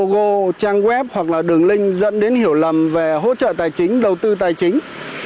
và đường linh dẫn đến hiểu lầm về hỗ trợ tài chính đầu tư tài chính